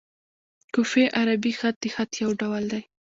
کوفي عربي خط؛ د خط یو ډول دﺉ.